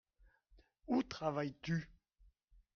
Où travailles-tu ?